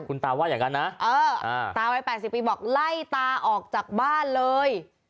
คุณตาว่าอย่างนั้นนะตาวัย๘๐ปีบอกไล่ตาออกจากบ้านเลย